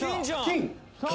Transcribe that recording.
「金？」